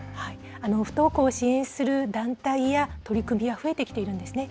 不登校を支援する団体や取り組みは増えてきているんですね。